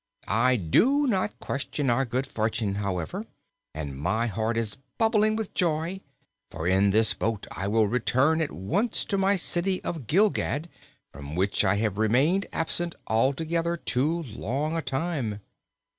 I do not question our good fortune, however, and my heart is bubbling with joy, for in this boat I will return at once to my City of Gilgad, from which I have remained absent altogether too long a time."